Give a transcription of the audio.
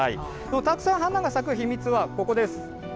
たくさん花が咲く秘密はここです。